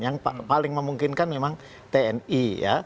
yang paling memungkinkan memang tni